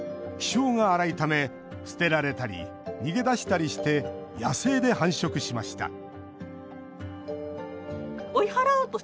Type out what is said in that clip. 気性が荒いため捨てられたり、逃げ出したりして野生で繁殖しました